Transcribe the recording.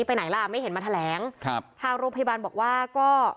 ไปไหนล่ะไม่เห็นมาแถลงครับทางโรงพยาบาลบอกว่าก็